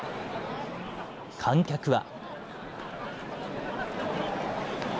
観客は。